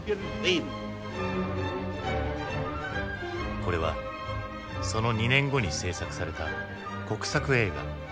これはその２年後に製作された国策映画。